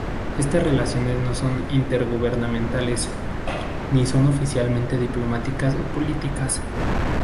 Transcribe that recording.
Estas relaciones no son intergubernamentales ni son oficialmente diplomáticas o políticas.